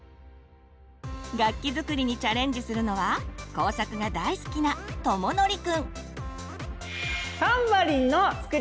楽器作りにチャレンジするのは工作が大好きなとものりくん。